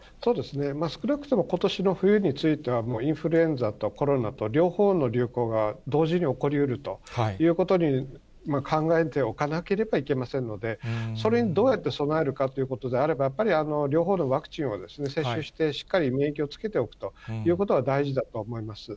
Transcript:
少なくともことしの冬については、もうインフルエンザとコロナと両方の流行が同時に起こりうるということを考えておかなければいけませんので、それにどうやって備えるかということであれば、やっぱり両方のワクチンを接種して、しっかり免疫をつけておくということは大事だと思います。